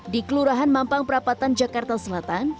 di kelurahan mampang perapatan jakarta selatan